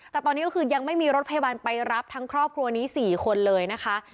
แต่ตอนนี้ก็คือยังไม่มีรถพยาบาลไปรับทั้งครอบครัวนี้๔คนเลยนะคะ